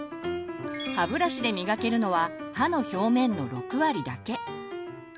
歯ブラシで磨けるのは歯の表面の６割だけ。